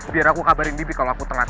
biar aku kabarin bibi kalau aku tengah